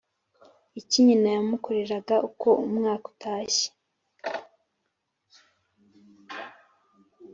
Iki nyina yamukoreraga uko umwaka utashye